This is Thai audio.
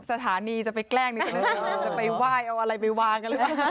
สถานีจะไปแกล้งจะไปไหว้เอาอะไรไปวาง